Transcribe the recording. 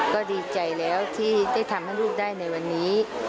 ก็ดีใจแล้วที่ได้ทำให้ลูกได้ในวันนี้